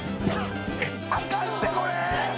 あかんってこれ！